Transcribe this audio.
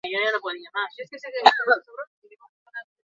Informazioak eta entretenimenduak ez dute zertan kontrajarriak izan.